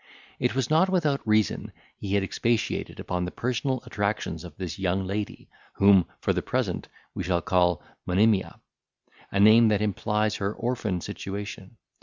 It was not without reason he had expatiated upon the personal attractions of this young lady, whom, for the present, we shall call Monimia, a name that implies her orphan situation.